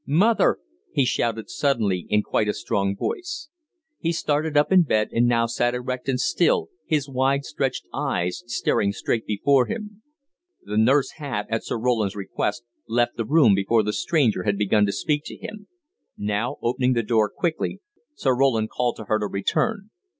"Mother!" he shouted suddenly in quite a strong voice. He started up in bed, and now sat erect and still, his wide stretched eyes staring straight before him. The nurse had, at Sir Roland's request, left the room before the stranger had begun to speak to him. Now, opening the door quickly, Sir Roland called to her to return.